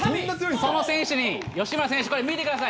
その選手に、吉村選手、これ、見てください。